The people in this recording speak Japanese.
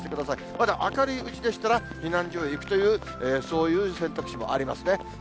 まだ明るいうちでしたら、避難所へ行くという、そういう選択肢もありますね。